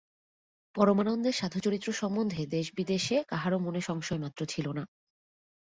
পরমানন্দের সাধুচরিত্র সম্বন্ধে দেশবিদেশে কাহারো মনে সংশয়মাত্র ছিল না।